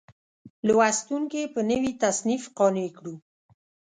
لوستونکي په نوي تصنیف قانع کړو.